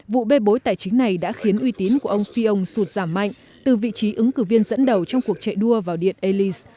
vụ bê bối tài chính này đã khiến uy tín của ông phi ông sụt giảm mạnh từ vị trí ứng cử viên dẫn đầu trong cuộc chạy đua vào điện alis